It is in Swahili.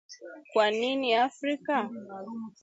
Kwa nini Afrika?